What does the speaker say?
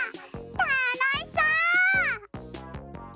たのしそう！